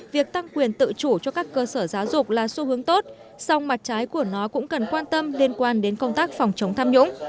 việc tăng quyền tự chủ cho các cơ sở giáo dục là xu hướng tốt song mặt trái của nó cũng cần quan tâm liên quan đến công tác phòng chống tham nhũng